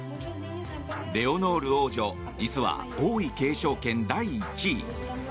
レオノール王女実は王位継承権第１位。